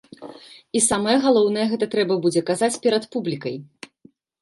І самае галоўнае, гэта трэба будзе казаць перад публікай.